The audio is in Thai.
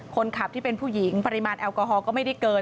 คนขับที่เป็นผู้หญิงปริมาณแอลกอฮอลก็ไม่ได้เกิน